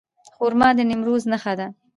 خرما د نیمروز نښه ده.